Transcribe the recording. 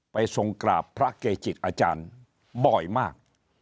ทรงกราบพระเกจิกอาจารย์บ่อยมาก